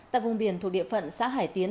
tại vùng biển thuộc địa phận xã hải tiến